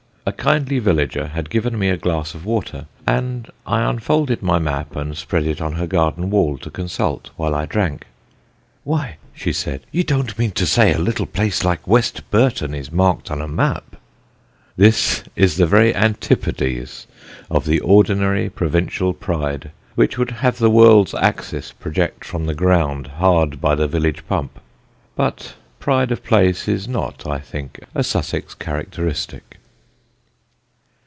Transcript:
A kindly villager had given me a glass of water, and I unfolded my map and spread it on her garden wall to consult while I drank. "Why," she said, "you don't mean to say a little place like West Burton is marked on a map." This is the very antipodes of the ordinary provincial pride, which would have the world's axis project from the ground hard by the village pump. But pride of place is not, I think, a Sussex characteristic.